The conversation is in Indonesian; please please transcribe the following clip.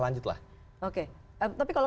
lanjut lah oke tapi kalau